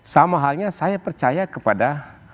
sama halnya saya percaya kepada